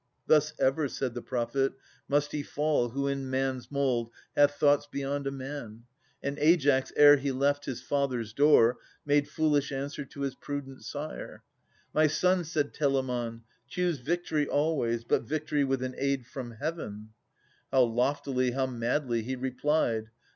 ' Thus ever,' said the prophet, ' must he fall Who in man's mould hath thoughts beyond a man. And Aias, ere he left his father's door. Made foolish answer to hi» prudent sire. " My son," said Telamon, " choose victory Always, but victory with an aid from Heaven." How loftily, how madly, he replied